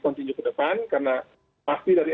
kontinju ke depan karena pasti dari